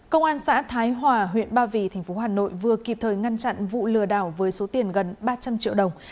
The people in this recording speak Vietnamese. công an xã thái hòa huyện ba vì tp hà nội vừa kịp thời ngăn chặn vụ lừa đảo với số tiền gần ba trăm linh triệu đồng